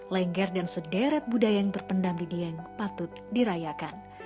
lengger dan sederet budaya yang terpendam di dieng patut dirayakan